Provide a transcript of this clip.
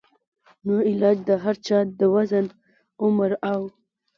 نو علاج د هر چا د وزن ، عمر او